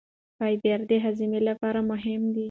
فایبر د هاضمې لپاره مهم دی.